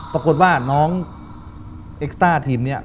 ปรากฏว่าน้องเอ็กซ์ต้าทีมนี้